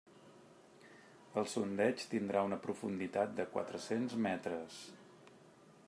El sondeig tindrà una profunditat de quatre-cents metres.